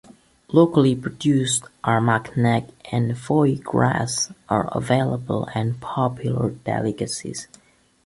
Locally produced Armagnac and foie gras are available and popular delicacies.